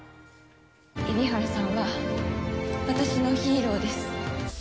蛯原さんは、私のヒーローです。